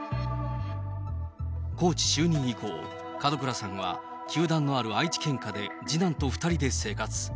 コーチ就任以降、門倉さんは球団のある愛知県下で次男と２人で生活。